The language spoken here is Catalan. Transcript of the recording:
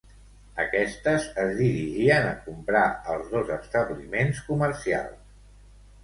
Aquestes es dirigien a comprar als dos establiments comercials.